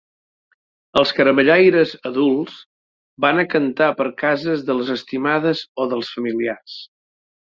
Els caramellaires adults van a cantar per cases de les estimades o dels familiars.